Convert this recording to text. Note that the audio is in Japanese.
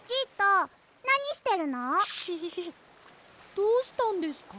どうしたんですか？